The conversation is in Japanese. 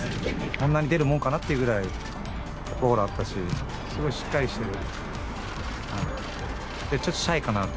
こんなに出るものかなっていうぐらいオーラあったし、すごいしっかりしてる。